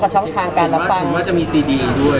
แต่จริงแล้วเขาก็ไม่ได้กลิ่นกันว่าถ้าเราจะมีเพลงไทยก็ได้